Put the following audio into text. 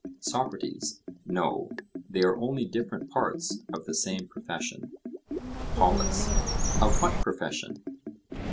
SOCRATES: No, they are only different parts of the same profession. POLUS: Of what profession?